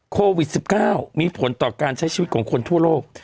โควิด๑๙มีผลต่อการใช้ชีวิตของคนทั่วโลก